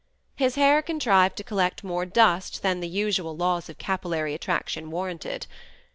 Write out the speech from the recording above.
His hair contrived to collect more dust than the usual laws of capillary attraction war ranted.